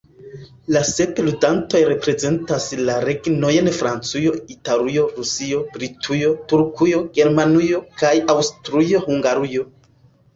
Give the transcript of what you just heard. La sep ludantoj reprezentas la regnojn Francujo, Italujo, Rusujo, Britujo, Turkujo, Germanujo kaj Aŭstrujo-Hungarujo.